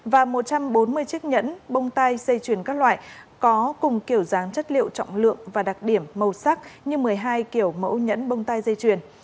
và một trăm bốn mươi chiếc nhẫn bông tai dây chuyền các loại có cùng kiểu dáng chất liệu trọng lượng và đặc điểm màu sắc như một mươi hai kiểu mẫu nhẫn bông tai dây chuyền